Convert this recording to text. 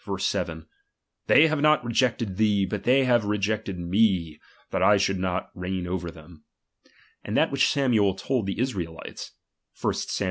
7) : Tfiey have not re jected thee, hut theij hare rejected me, that I should •3tot reign over them ; and that which Samuel told the Israelites (1 Sam.